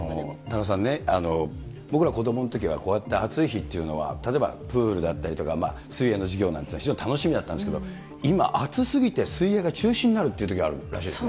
田中さんね、僕ら子どものときは、こうやって暑い日というのは、例えばプールだったりとか、水泳の授業なんていうのは非常に楽しみだったんですけど、今、暑すぎて、水泳が中止になるっていうときがあるらしいですね。